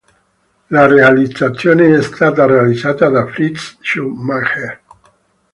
La realizzazione è stata realizzata da Fritz Schumacher.